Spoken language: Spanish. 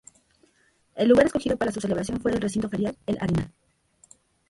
El lugar escogido para su celebración fue el Recinto Ferial El Arenal.